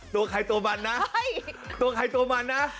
ตัวใครตัวมันนะตัวใครตัวมันนะ